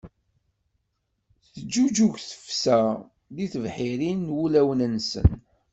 Teǧǧuǧǧeg tefsa di tebḥirin n wulawen-nsen.